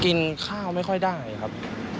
กินข้าวไม่ค่อยได้ครับ